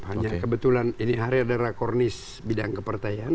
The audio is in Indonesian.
hanya kebetulan ini hari ada rakornis bidang kepertaian